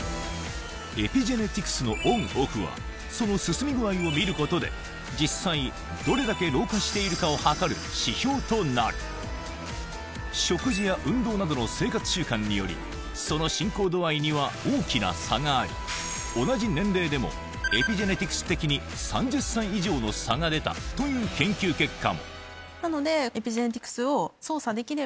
エピジェネティクスのＯＮＯＦＦはその進み具合を見ることで実際どれだけ老化しているかを測る指標となる食事や運動などの生活習慣によりその進行度合いには大きな差があり同じ年齢でもエピジェネティクス的に３０歳以上の差が出たという研究結果もなので。